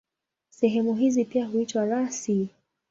Sehemu hizi pia huitwa rasi.